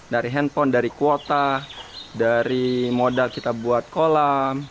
dari handphone dari kuota dari modal kita buat kolam